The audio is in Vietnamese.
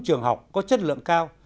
trường học có chất lượng cao